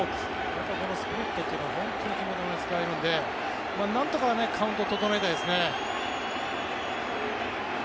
このスプリットというのは本当に決め球に使えるのでなんとかカウントを整えたいですね。